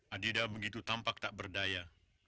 adida begitu tampak tak berdaya